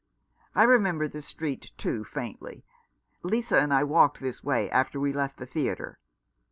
I remember this street, too, faintly. Lisa and I walked this way after we left the theatre.